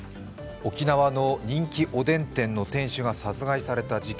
沖縄の人気おでん店の店主が殺害された事件。